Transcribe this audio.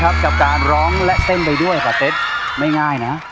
แต่มันจะถึง๑๗๖คะแนนหรือไม่พิสูจน์พร้อมกันได้เลย